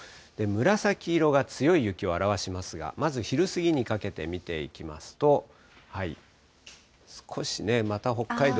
紫色が強い雪を表しますが、まず昼過ぎにかけて見ていきますと、少しね、また北海道。